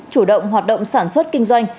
chủ động hoạt động sản xuất kinh doanh